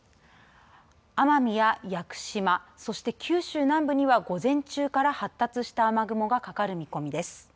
奄美や屋久島そして九州南部には午前中から発達した雨雲がかかる見込みです。